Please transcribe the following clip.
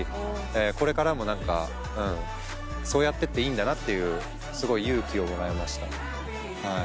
これからも何かそうやってっていいんだなっていうすごい勇気をもらえましたはい。